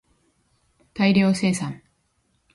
大量生産